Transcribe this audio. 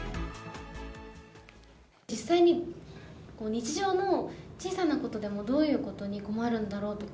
実際に日常の小さなことでも、どういうことに困るんだろうとか。